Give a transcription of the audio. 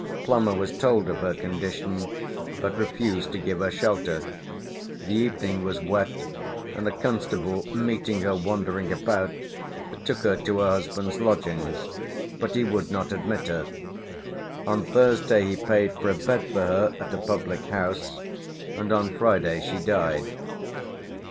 Plummer was told of her condition, but refused to give her shelter; the evening was wet, and a constable meeting her wandering about took her to her husband's lodgings, but he would not admit her; on Thursday he paid for a bed for her at a public house, and on Friday she died.